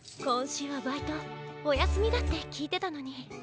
こんしゅうはバイトおやすみだってきいてたのに。